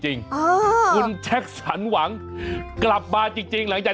คุณคุณแจ็คสังหวังเกลับมาจริง